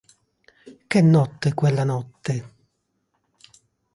Che notte quella notte!